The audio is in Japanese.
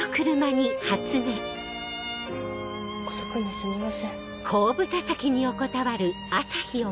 遅くにすみません。